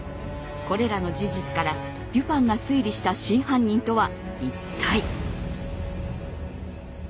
これらの事実からデュパンが推理した真犯人とは一体。